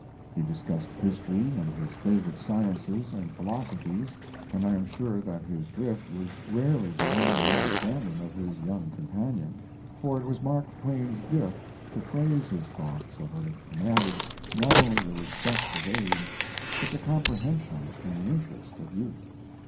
He discussed history and his favorite sciences and philosophies, and I am sure that his drift was rarely beyond the understanding of his young companion, for it was Mark Twain's gift to phrase his thought so that it commanded not only the respect of age, but the comprehension and the interest of youth.